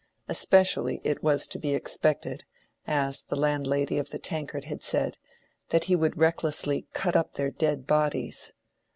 Especially it was to be expected, as the landlady of the Tankard had said, that he would recklessly cut up their dead bodies.